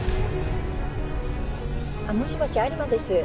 あっもしもし有馬です。